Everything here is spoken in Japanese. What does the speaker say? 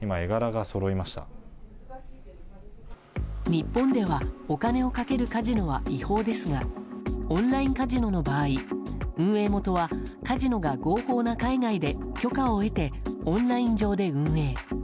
日本では、お金を賭けるカジノは違法ですがオンラインカジノの場合運営元はカジノが合法な海外で許可を得て、オンライン上で運営。